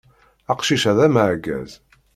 Aqcic-a d ameɛgaz.